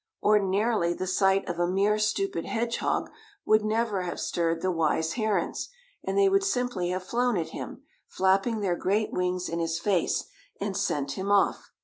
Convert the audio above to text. Ordinarily the sight of a mere stupid hedgehog would never have stirred the wise herons, and they would simply have flown at him, flapping their great wings in his face, and sent him off.